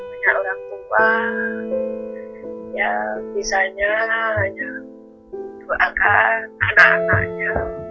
banyak orang tua yang bisanya hanya doakan anak anaknya